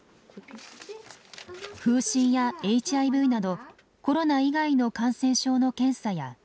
風疹やＨＩＶなどコロナ以外の感染症の検査や予防活動。